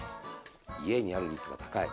家にある率が高い！